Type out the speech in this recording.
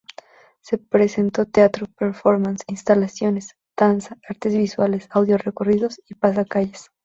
Se presentó teatro, performance, instalaciones, danza, artes visuales, audio-recorridos y pasacalles.